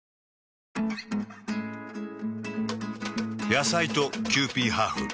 野菜とキユーピーハーフ。